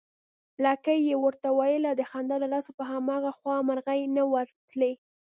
لکۍ يې ورته ويله، د خندا له لاسه په هماغه خوا مرغۍ نه ورتلې